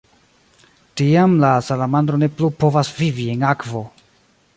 Tiam, la salamandro ne plu povas vivi en akvo.